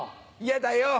嫌だよ！